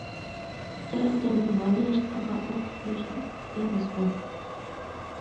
تىجارەتتە مەن مالىيە ئىشلىرىغا، ئۇ قۇرۇلۇشنىڭ سۈپىتىگە مەسئۇل.